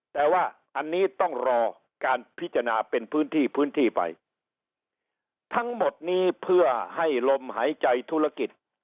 แต่ว่าอันนี้ต้องรอการพิจารณาเป็นพื้นที่พื้นที่ไปทั้งหมดนี้เพื่อให้ลมหายใจธุรกิจ